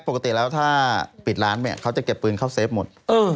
ปกติแล้วถ้าปิดร้านเนี่ยเขาจะเก็บปืนเข้าเซฟหมด